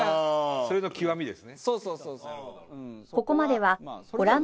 それの極みですね。